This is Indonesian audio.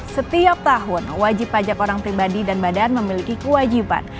setiap tahun wajib pajak orang pribadi dan badan memiliki kewajiban